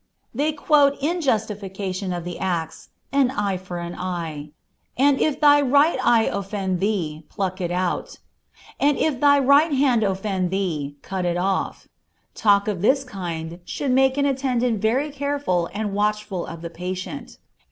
They quote in justification of the acts, "An eye for an eye," "And if thy right eye offend thee, pluck it out," "And if thy right hand offend thee, cut it off." Talk of this kind should make an attendant very careful and watchful of the patient.